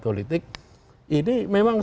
politik ini memang